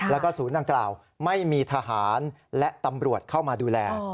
แล้วก็ศูนย์ดังกล่าวไม่มีทหารและตำรวจเข้ามาดูแล